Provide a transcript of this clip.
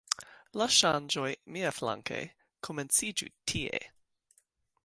La ŝanĝoj, miaflanke, komenciĝu tie.